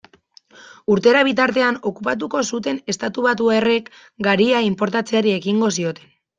Urtera bitartean okupatuko zuten estatubatuarrek garia inportatzeari ekingo zioten.